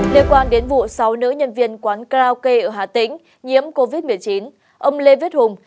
liên quan đến vụ sáu nữ nhân viên quán karaoke ở hà tĩnh nhiễm covid một mươi chín ông lê viết hùng